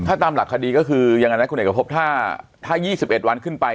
ถ้าตามหลักคดีก็คือยังไงนะคุณเอกพบถ้า๒๑วันขึ้นไป